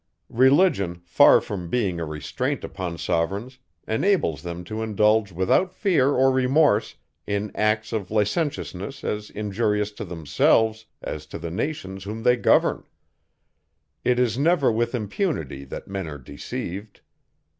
Religion, far from being a restraint upon sovereigns, enables them to indulge without fear or remorse, in acts of licentiousness as injurious to themselves, as to the nations whom they govern. It is never with impunity, that men are deceived.